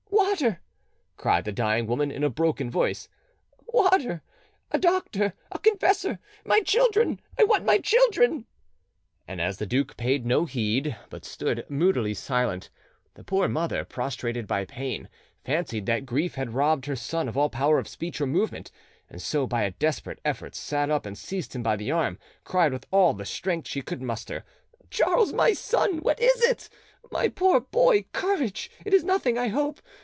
"Water!" cried the dying woman in a broken voice,—"water! A doctor, a confessor! My children—I want my children!" And as the duke paid no heed, but stood moodily silent, the poor mother, prostrated by pain, fancied that grief had robbed her son of all power of speech or movement, and so, by a desperate effort, sat up, and seizing him by the arm, cried with all the strength she could muster— "Charles, my son, what is it? My poor boy, courage; it is nothing, I hope.